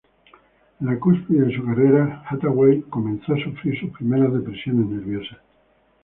En la cúspide de su carrera, Hathaway comenzó a sufrir sus primeras depresiones nerviosas.